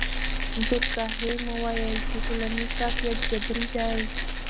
دورکهایم وویل چې ټولنیز واقعیت جبري دی.